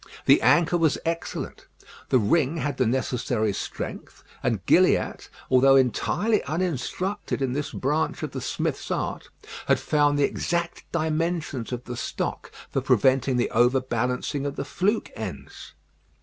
The anchor was excellent. The ring had the necessary strength; and Gilliatt, though entirely uninstructed in this branch of the smith's art, had found the exact dimensions of the stock for preventing the over balancing of the fluke ends.